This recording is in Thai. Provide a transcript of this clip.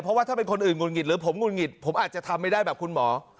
เพราะว่าถ้าเป็นคนอื่นหุ่นหิดหรือผมงุดหงิดผมอาจจะทำไม่ได้แบบคุณหมอ